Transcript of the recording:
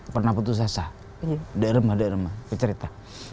pernah putus asa iya derema derema bercerita